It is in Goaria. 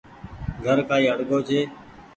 گھر ڪآئي اڙگو ڇي ۔